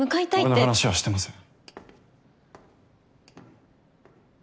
俺の話はしてません。